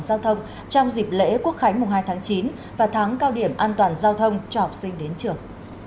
giao thông trong dịp lễ quốc khánh mùng hai tháng chín và tháng cao điểm an toàn giao thông cho học sinh đến trường